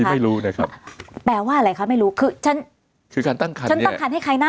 ไม่รู้นะครับแปลว่าอะไรคะไม่รู้คือฉันคือการตั้งคันฉันตั้งคันให้ใครนะ